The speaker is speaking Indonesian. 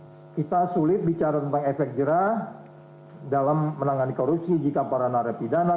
karena kita sulit bicara tentang efek jerah dalam menangani korupsi jika para narapidana